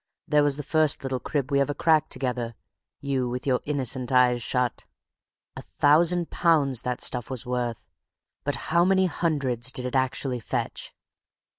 There was the first little crib we ever cracked together—you with your innocent eyes shut. A thousand pounds that stuff was worth; but how many hundreds did it actually fetch.